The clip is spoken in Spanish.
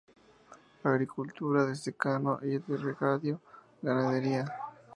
Agricultura de secano y de regadío, ganadería.